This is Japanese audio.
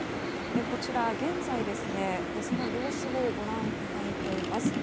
こちらは現在の様子をご覧いただいています。